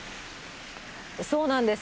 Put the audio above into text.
そうなんです。